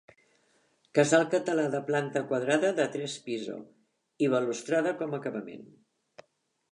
Casal català de planta quadrada de tres piso i balustrada com acabament.